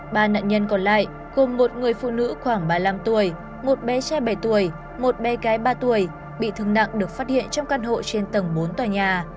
ba nạn nhân còn lại gồm một người phụ nữ khoảng ba mươi năm tuổi một bé trai bảy tuổi một bé gái ba tuổi bị thương nặng được phát hiện trong căn hộ trên tầng bốn tòa nhà